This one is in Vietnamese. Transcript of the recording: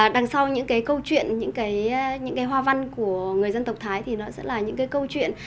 đằng sau những cái câu chuyện những cái hoa văn của người dân tộc thái thì nó sẽ là những cái câu chuyện